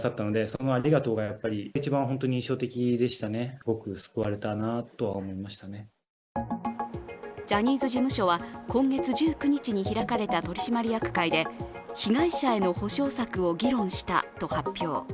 すると東山社長はジャニーズ事務所は今月１９日に開かれた取締役会で被害者への補償策を議論したと発表。